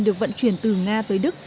được vận chuyển từ nga tới đức